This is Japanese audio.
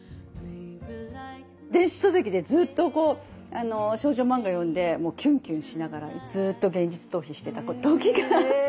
電子書籍でずっと少女漫画読んでキュンキュンしながらずっと現実逃避してた時があって。